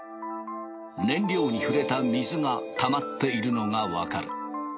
燃料に触れた水がたまっているのが分かる。